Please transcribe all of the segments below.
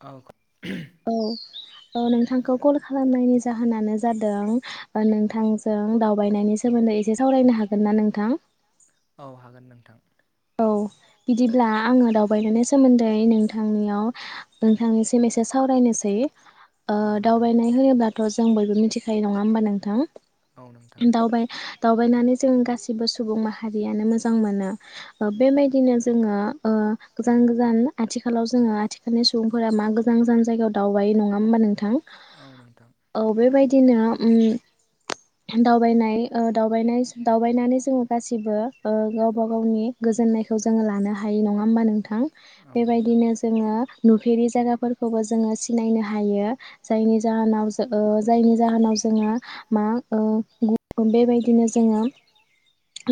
औ। औ। औ नोंथांखौ कल खालामनायनि जाहोनानो जादों ओ नोंथांजों दावबायनायनि सोमोन्दै एसे सावरायनो हागोनना नोंथां? नोंथां औ बि बिदिब्ला आङो दावबायनायनि सोमोन्दै नोंथांनियाव नोंथांनिसिम एसे सावरायनोसै ओ दावबानाय होनोब्लाथ' जों बयबो मिथिखायो नङा होमबा नोंथां हु दावबाय दावबायनानै जों गासैबो सुबुं माहारियानो मोज जां मोनो ओ बेबायदिनो जोङो ओ गोजान गोजान आथि खालाव जोङो आथिखालनि सुबुंफोरा मा गोजान गोजान जायगायाव दावबाय नङा होमबा नोंथां? औ बेबायदिनो उम दावबायनाय ओ दावबायनाय सु- दावबायनानै जोङो गासिबो ओ गावबा गावनि गोजोन्नायखौ जोङो लानो हायि नङा होमबा नोंथां? बेबायदिनो जों जोङो नुफेरि जायगाफोरखौबो जोङो सिनायनो हायो जायनि जाहोनाव जो- ओ जायनि जाहोनाव जोङो मा ओ गुउ- बेबायदिनो जोङो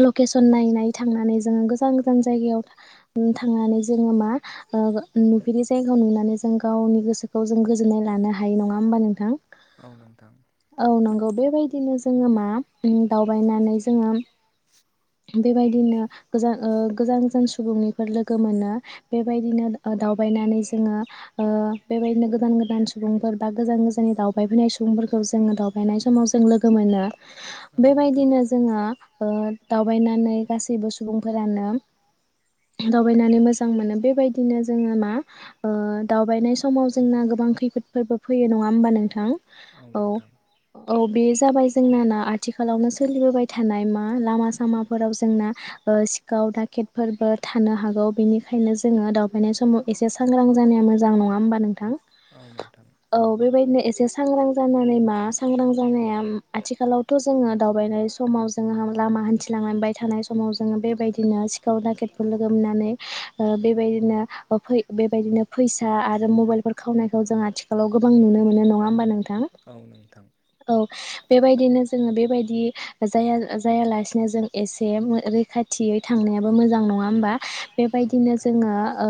लकेसन नायै नायै थांनानै जोङो गोज गोजान गोजान जायगायाव था उम थांनानै जोङो मा ओ गो नुफेरै जायगायाव नुनानै जों गावनि गोसोखौ जों गोजोननाय लानो हायो नङा होमबा नोंथां? औ नंगौ बेबायदिनो जोङो मा दावबायनानै जोङो [inaudible] बेबायदिनो गोजान ओ गोजान गोजान सु सुबुंनिफोर लोगो मोनो बेबायदिनो दावबायनानै जोङो ओ बेबायदिनो गोदान गोदान सुबुंफोर बा गोजान गोजाननि दावबायफैनाय सुबुंफोरखौ जोङो दावबायनाय समाव जों लोगो मोनो। बेबायदिनो जोङो दावबायनानै गासैबो सुबुं फोरानो दावबायनानै मोजां मोनो बेबायदिनो जोङो मा ओ दावबायनाय समाव जोंना गोबां खैफोदफोरबो फैयो नङा होमबा नोंथां? औ औ बे जाबाय जोंना ना आथिखालावनो सोलिबोबाय थानाय मा लामा सामाफोराव जोंना ओ सिखाव दाखेद फोर बो थानो हागौ बेनिखायनो जोङो दावबायनाय समाव एसे सांग्रां जानाया मोजां नङा होमबा नोंथां? औ बेबायदिनो एसे सांग्रां जानानै मा सांग्रां जानाया आथिखालावथ' जोङो दावबायनाय समाव जोङो लामा हान्थिलांलांबाय थानाय समाव जोङो बेबायदिनो सिख खाव दाकेटफोर लोगोमोनानै ओ बेबायदिनो ओ फै बेबायदिनो फैसा आरो मबाइल फोर खावनायखौ जों आथिखालाव गोबां नुनो मोनो, नङा होमबा नोंथां? औ बेबायदिनो जोङो बेबायदि जाया जायालासिनो जों एसे रै खाथियै थांनायाबो मोजां होमबा बेबायदिनो जोङो ओ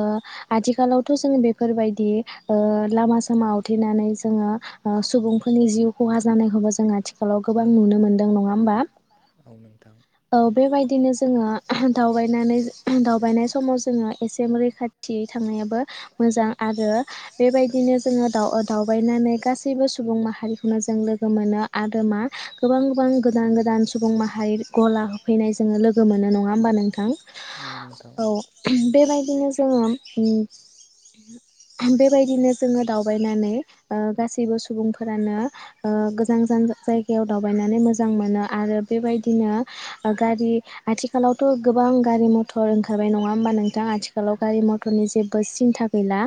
आथिखालावथ' जों बेफोरबायदि ओ लामा सामा आवथेनानै जोङो ओ सुबुंफोरनि जिउ खहा जानायखौबो जों आथिखालाव गोबां नुनो मोनदों नङा होमबा। औ बेबायदिनो जो ङो एहेम दावबायनानै जो ओहों दावबायनाय समाव जोङो एसे रैखाथि थांनायाबो मोजां आरो बेबायदिनो जोङो दाव- ओ दावबायनानै गासैबो सुबुं माहारिखौनो जों लोगो मोनो आरो मा गोबां गोबां गोदान गोदान सुबुं माहारि गला होफैनाय जोङो लोग गो मोनो नङा होमबा नोंथां? औ बेबायदिनो जोङो उम बेबायदिनो जोङो दावबायनानै ओ गासैबो सुबुंफोरानो ओ गोजान गोजान जायगायाव दावबायनानै मोजां मोनो। आरो बेबायदिनो ओ गारि आथिखालावथ' गोबां गारि मथर ओंखारबाय नङा होमबा नोंथां आथिखालाव गारि मथरनि जेबो सिन्था गैला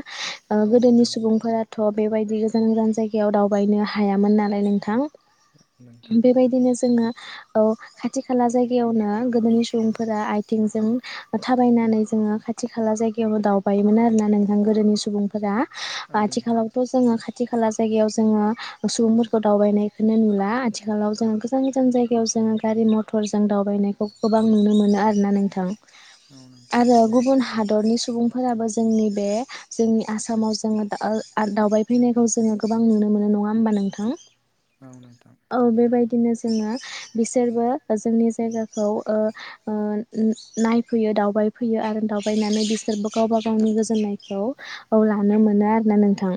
गोदोनि सुबुंफोराथ' बेबायदि गोजान गोजान जायगायाव दावबायनो हायामोन नालाय नोंथां बेबायदिनो जों औ खाथि खाला जायगायावनो गोदोनि सुबुंफोरा आथिंजों थाबायनानै जोङो खाथि खाला जायगायाव दावबायोमोन आरोना नोंथां गोदोनि सुबुंफोरा आथिखालावथ' जोङो खाथि खाला जायगायाव जोङो सुबुंफोरखौ दावबायनायखौनो नुला आथिखालाव जों गोजान गोजान जोङो गारि मथर जों दावबायनाय गोबां नुनो मोनो आरोना नोंथां आरो गुबुन हादरनि सुबुंफोराबो जोंनि बे जोंनि आसामाव जोङो दावबायफैनायखौ जोङो गोबां नुनो मोनो नङा होमबा नोंथां औ बेबायदिनो जोङो बिसोरबो जोंनि जायगा खौ नायफैयो दाउ बाय फैयो आरो दावबायनानै बिसोरबो गावबा गावनि गोजोननायखौ औ लानो मोनो आरो ना नोंथां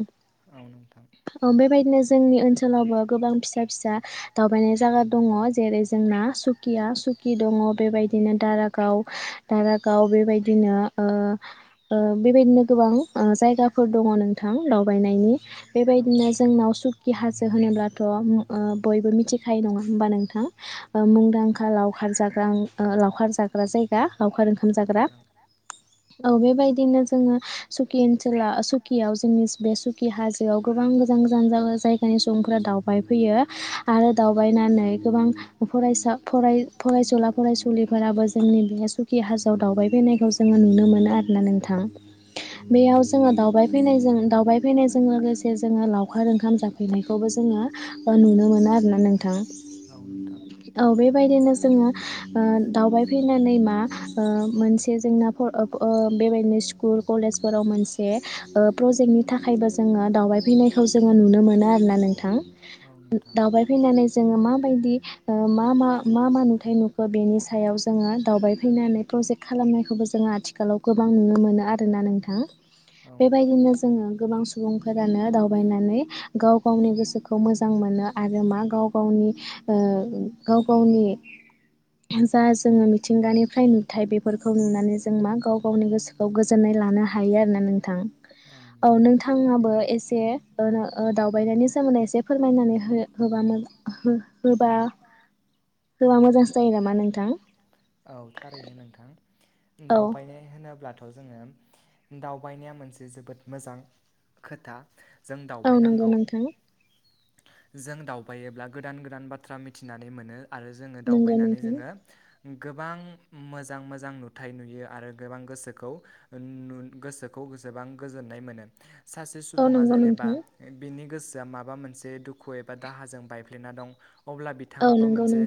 बेबायदिनो जोंनि ओनसोलावबो गोबां फिसा फिसा दावबायनाय जायगा दङ जेरै जोंना सुकिया दङ बेबायदिनो दारागाव दाराग गाव बेबायदिनो बेबायदिनो गोबां जायगाफोर दङ नोंथां दावबायनायनि बेबायदिनो जोंनाव सुखि हाजो होनोब्लाथ' बयबो मिथिखायो नङा होमबा नोंथां मुंदांखा लाव खार जाग्रा लावखार जाग्रा जायगा लावखार ओ ओंखाम जाग्रा औ बेबायदिनो जोङो सुकि ओनसोोलाव सुकियाव जोंनि बे सुकि हाजोआव गोबां गोजान गोजान जायगानि सुबुंफोरा दावबायफैयो आरो दावबायनानै गोबां फरायसा फराय फरायसुला फरायसुलिफोराबो जोंनि बे सुखि होजोआव दावबाय फैनायखौ जोङो नुनो मोनो आरोना नोंथां बेयाव जोङो दावबाय फैनायजों दावबाय फैनायजों लोगोसे जोङो लावखार ओंखाम जाफैनायखौबो जोङो नुनो मोनो आरोना नोंथां औ बेबायदिनो जोङो ओ दावबाय फैनानै मा ओ मोनसे जेंनाफोर ओ बेबायदिनो स्कुल कलेज मोनसे प्रजेक्टनि थाखायबो जोङो दावबाय फैनायखौ जोङो नुनो मोनो आरोना नोंथां दावबाय फैनानै जोङो मा बायदि ओ मा मा मा मा नुखो बेनि सायाव जोङो दावबाय फैनानै प्रजेक्ट खालामनायखौबो जोङो आथिखालाव गोबां नुनो मोनो आरोना नोंथां बेबायदिनो जोङो गोबां सुबुंफोरानो दावबायनानै गाव गावनि गोसोखौ मोजां मोनो आरो मा गाव गावनि ओ गाव गावनि जा जोङो मिथिंगानिफ्राय नुथाय बेफोरखौ नुनानै जों मा गाव गावनि गोसोखौ गोजोननाय लानो हा [inaudible] नामा नोंथां दावबायनाय होनोब्ला बेखौ जोङो दावबायनाया मोनसे जोबोद मोजां खोथा औ नंगौ नोंथां जों दावबायोब्ला गोदान गोदान बाथ्रा मिथिनानै मोनो आरो जोङो दावबायनानै जोङो गोबां मोजां मोजां नुथाय नुयो आरो गोबां गोसोखौ नु गोसोखौ बेसेबां गोजोननाय मोनो सासे सुबुङा जेनेबा बिनि गोसो माबा मोनसे दुखु एबा दाहाजों बायफ्लेना दं अब्ला बिथाङाबो मोनसे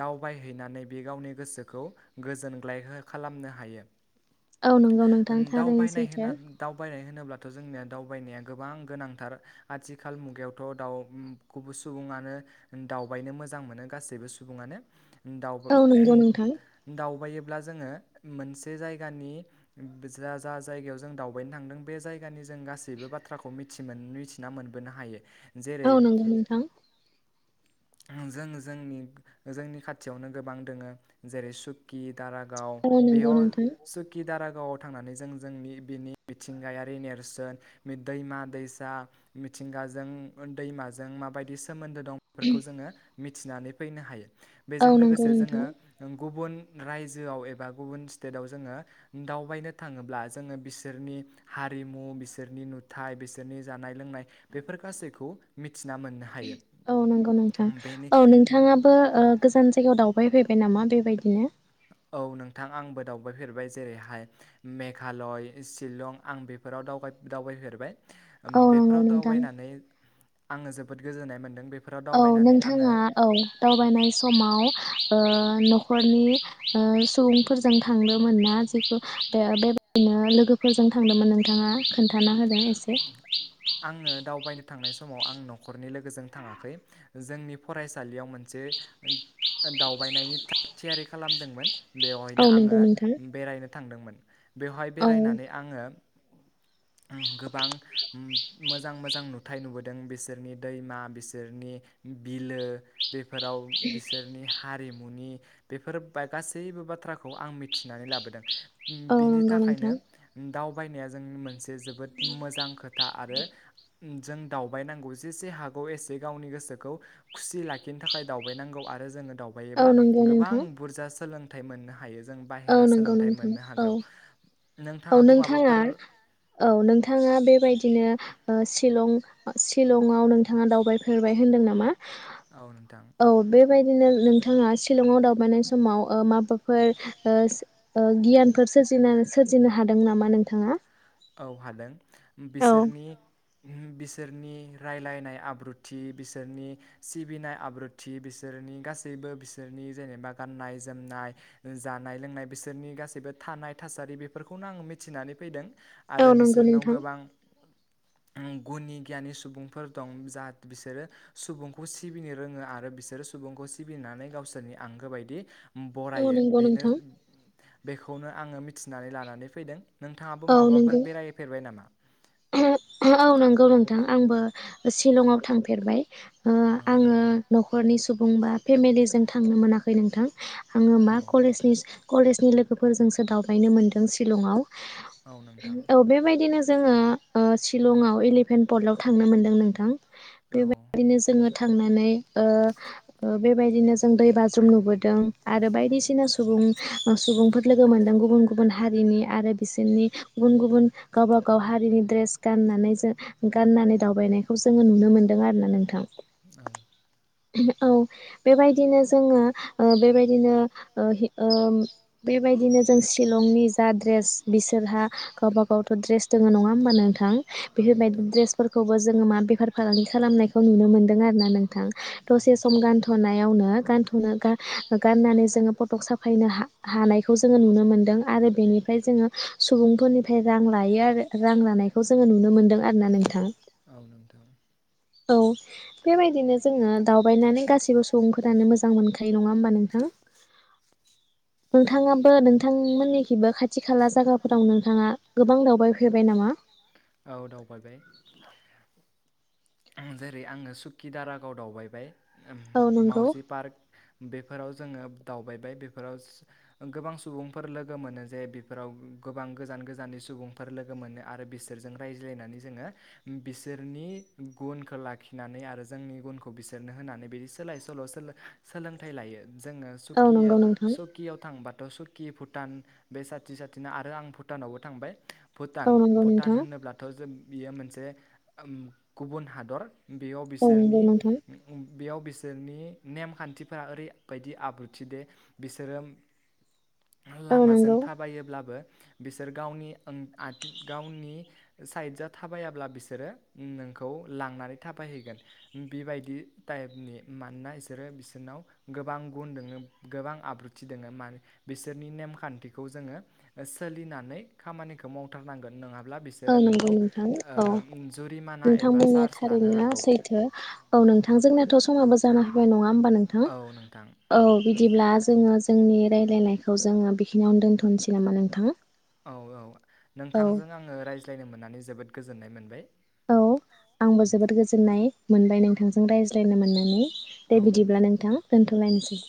दाव बायहैनानै बे गावनि गोसोखौ गोजोनग्लायहो खालामनो हायो औ नंगौ नोंथां थारैनो [unintelligible] दावबायनाय होनोब्लाथ' जोंनिया दावबायनाया गोबां गोनांथार आथिखाल मुगायावथ' दाउखौबो सुबुङानो दावबायनो मोजां मोनो गासैबो सुबुङानो दावबो दावबायो जोङो मोनसे जायगानि जा जायगायाव जों दावबायनो थांदों बे जायगानि जों गासैबो बाथ्राखौ मिथिमोन मिथिना मोनबोनो हायो। औ नंगौ नोंथां जों जोंनि जोंनि खाथियावनो गोबां दोङो जेरै सुकि दारागाव बेयाव सुकि दारा गावाव थांनानै जों जों बिनि मिथिंगायारि नेरसोन दैमा दैसा मिथिंगाजों दैमाजों माबायदि सोमोन्दो दं बेफोरखौ जोङो मिथिनानै फैनो हायो बेजों लोगोसे जोङो गुबुन रायजोआव एबा गुबुन स्टेटआव जोङो दावबायनो थाङोब्ला जोङो बिसोरनि हारिमु बिसोरनि नुथाय बिसोरनि जानाय लोंनाय बेफोर गासैखौ मि थिना मोननो हायो। औ नोंथाङाबो गोजान जायगायाव दाव बाय बायबाय नामा बेबायदिनो औ नोंथां आंबो दावबायफेरबाय जेरैहाय मेघालय शिलं आं बेफोराव दावबाय दावबायफेरबाय बेफोराव दावबायनानै आङो जो जोननाय मोनदों बे औ नोंथाङा औ दावबायनाय समाव ओ न'खरनि सुबुंफोरजों थांदोंमोन ना जिखौ बे बेबायाददिनो लोगोफोरजों थांदोंमोन नोंथाङा खोन्थाना होदो एसे। आङो दावबायनो थांनाय समाव आं न'खरनि लोगोजों थाङाखै जोंनि फरायसालियाव मोनसे दावबायनायनि थागथियारि खालामदोंमोन। बेवहायनो आङो बेरायनो थांदोंमोन बेवहाय बेरायनानै आङो ओं गोबां उम मोजां मोजां नुथाय नुबोदों बिसोरनि दैमा बिसोरनि बिलो बेफोराव बिसोरनि हारि मुनि बेफोर गासैबो बाथ्राखौ आं मिथिनानै लाबोदों। बिनि थाखायनो [unintelligible] बायनाया जों मोनसे जे जोबोद मोजां खोथा। रो जों दावबायनांगौ जेसे हागौ एसे गावनि गोसोखौ खुसि लाखिनो थाखाय दावबायनांगौ आरो जोङो। दावबायोब्ला गोबां बुर्जा सोलों थाय मोननो हायो औ नंगौ नोंथां औ औ नोंथाङा औ नोंथाङा बेबायदिनो ओ सिलं-शिलंआव नोंथाङा दावबायफेरबाय होनदों नामा। औ नोंथां बायदिनो नोंथाङा शिलंआव दावबायनाय समाव माबाफोर। ओ सो ओ गियानफोर सोरजिना सोरजिनो हादों नामा नोंथाङा। औ हादों। बिसोरनि। उम बिसोरनि रायलायनाय आब्रुथि बिसोरनि सिबिनाय आब्रुथि बिसोरनि गासैबो बिसोरनि जेनेबा गाननाय जोमनाय जानाय लोंनाय बिसोरनि गासैबो थानाय थासारि बेफोरखौनो आङो मिथिनानै फैदों। आरो बिसोरनाव गोबां उम गुनि गियानि सुबुंफोर दं जाह बिसोरो सुबुंखौ सिबिनो रोङो आरो बिसोरो सुबुंखौ सिबिनानै गावसोरनि आंगो बायदि उम बरायो बिनो बेखौनो आङो मिथिनानै लानानै फैदों। नोंथाङाबो माबा फोर बेरायफेरबाय नामा। [unintelligible] औ नंगौ नोंथां आंबो शिलंआव थांफेरबाय। ओ आङो न'खरनि। सुबुं बा फेमिलिजों थांनो मोनाखै नोंथां। आङो मा कलेजनि। कलेजनि लोगोफोरजोंसो दावबायनो मोनदों शिलङाव। औ बेबायदिनो। जोङो ओ शिलङाव इलिफेन्ट पलटआव थांनो मोनदों नोंथां बेबायदिनो जोङो थांनानै ओ बेबायदिनो जों दै बाज्रुम नुबोदों आरो बायदिसिना सुबुं सुबुंफोर लोगो मोनदों गुबुन गुबुन हारिनि आरो बिसोरनि गुबुन गुबुन। गावबा गाव हारिनि ड्रेस गाननानै जो गाननानै दावबायनायखौ जोङो नुनो मोनदों आरोना नोंथां औ बेबायदिनो जोङो ओ बेबायदिनो ओ बेबायदिनो जों शिलंनि जा ड्रेस बिसोरहा गावबागावथ' ड्रेस दङ नङा होबा नोंथां बेफोरबाय द्रेसबो ज मा बेफार फालांगि खालामनायखौ नुनो मोनदों आरो ना नोंथां दसे सम गानथनाय नायावनो गानथ'नो गाननानै जोङो फटक साफायनो हानायखौ जोङो नुनो मोनदों आरो बेनिफ्राय जोङो सुबुंफोरनिफ्राय रां लायो आरो रां लानायखौ जोङो नुनो मोनदों आरो ना नोंथा औ बेबायदिनो जोङो दावबायनानै गाससिबो सुबुं फोरानो मोजां मोनखायो नङा होमबा नोंथां नोंथाङाबो नोंथां मोननिखिबो खाथि खाला जायगाफोराव नोंथाङा गोबां दावबाय औ दावबायबाय जेरै आङो सुक्कि दारागाव दावबाय। मउजि पार्क। बेफोराव जोङो दावबायबाय बेफोराव गोबां सुबुंफोर लोगो मोनो जे बेफोराव गोबां गोजान गोजाननि सुबुंफोर लोगो मोनो आरो बिसोरजों रायज्लायनानै जोङो बिसोरनि गुनखौ लाखिनानै आरो जोंनि गुनखौ बिसोरनो होनानै बिदि सोलाय सोल' सोलोंथाइ लायो जोङो सुकि सुकियाव थांबा 'थ सुकि भुटान बे साथि साथिना आरो आं भुटानावबो थांबाय भुटान भुटान होनोब्लाथ' जों बियो मोनसे गुबुन हादर बेयाव बिसोरनि बेयाव बिसोरनि नेमखान्थिफोरा ओरैबायदि आब्रुथि दे बिसोरो लामाजों थाबायोब्लाबो बिसोर गावनि उम आ गावनि साइद जा थाबायाब्ला बिसोरो उम नों खौ लांनानै थाबाय हैगोन बिबायदि थाबनि मानोना बिसोरो बिसोरनाव गोबां आब्रुथि दङो बिसोरनि ने जोंङो सोलिनानै खामानिखौ मावथारनांगोन नङा ब्ला बिसोरो नोंखौ ओ जुरिमिना ए मैया थारैनो सैथो औ नोंथांजोंनाथ' समाबो जाना हाय नङा होमबा नोंथां औ बिदिब्ला जोङो जोंनि रायजलायनायखौ जोङो बेखिनियावनो दोनथ'नोसै नामा नोंथां। औ औ नोंथांजों आङो रायज्ला रालायनो मोननानै जोबोद गोजोननाय मोनबाय औ आंबो जोबोद गोजोननाय मोनबाय नों थोंजों रायज्ला फोरायनो मोननानै दे बिदिब्ला नोंथां दोनथ'लायनोसै